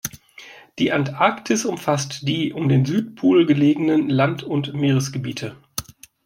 Die Antarktis umfasst die um den Südpol gelegenen Land- und Meeresgebiete.